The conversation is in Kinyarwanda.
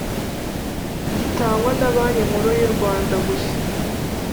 gitangwa na Banki Nkuru yurwanda gusa